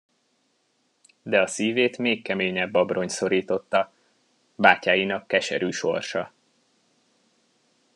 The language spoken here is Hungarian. De a szívét még keményebb abroncs szorította: bátyáinak keserű sorsa.